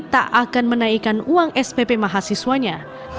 tak akan menaikkan uang spp mahasiswanya